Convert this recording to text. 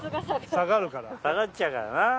下がっちゃうからな。